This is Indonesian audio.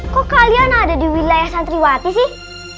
kok kalian ada di wilayah santriwati sih